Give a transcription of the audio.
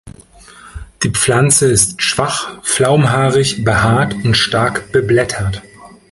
Die Pflanze ist schwach flaumhaarig behaart und stark beblättert.